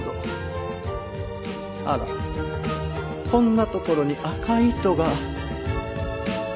あらこんな所に赤い糸が。